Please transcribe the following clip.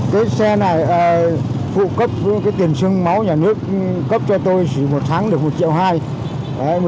cái xe này phụ cấp tiền xương máu nhà nước cấp cho tôi chỉ một tháng được một triệu hai